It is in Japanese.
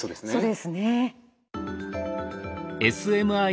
そうですね。